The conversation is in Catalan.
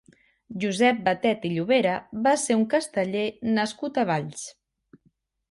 Josep Batet i Llobera va ser un casteller nascut a Valls.